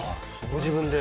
ご自分で？